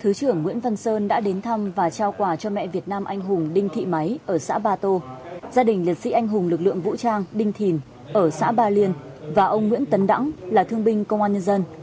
thứ trưởng nguyễn văn sơn đã đến thăm và trao quà cho mẹ việt nam anh hùng đinh thị máy ở xã ba tô gia đình liệt sĩ anh hùng lực lượng vũ trang đinh thìn ở xã ba liên và ông nguyễn tấn đẳng là thương binh công an nhân dân